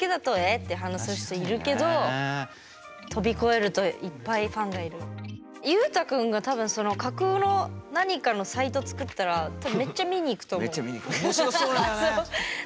って反応する人いるけどゆうたくんがその架空の何かのサイト作ったら多分めっちゃ見に行くと思う。